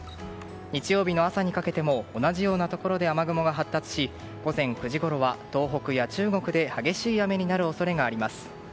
日曜日の朝にかけても同じようなところで雨雲が発達し午前９時ごろは東北や中国で激しい雨になる恐れがあります。